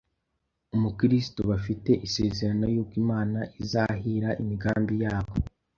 Umukristo bafite isezerano yuko Imana izahira imigambi yabo